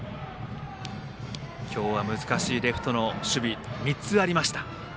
今日は難しいレフトの守備３つありました。